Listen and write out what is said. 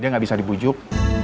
dia gak bisa dibujuk